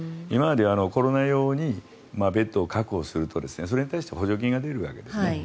今までコロナ用にベッドを確保するとそれに対して補助金が出るわけですね。